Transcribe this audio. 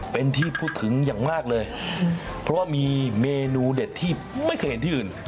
เป็นที่พูดถึงอย่างมากเลยเพราะว่ามีเมนูเด็ดที่ไม่เคยเห็นที่อื่น